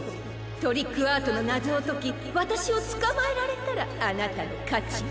トリックアートのなぞをときわたしをつかまえられたらあなたのかち。